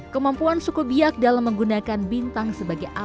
kemampuan suku biak dalam menggunakan bintang sebagai alat